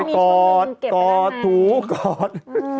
กอดกอดถูกอด